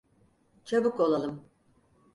Çabuk olalım.